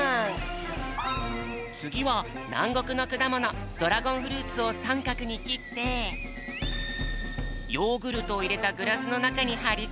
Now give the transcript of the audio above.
つぎはなんごくのくだものドラゴンフルーツをさんかくにきってヨーグルトをいれたグラスのなかにはりつけるよ。